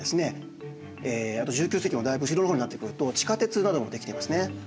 あと１９世紀もだいぶ後ろの方になってくると地下鉄なども出来ていますね。